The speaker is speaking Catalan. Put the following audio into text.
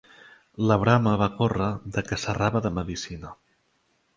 La brama va córrer de que s'errava de medicina